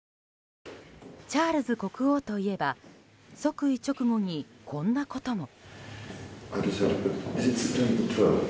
チャールズ国王といえば即位直後にこんなことも。